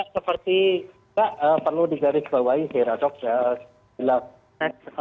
seperti pak perlu digarisbawahi saya ratok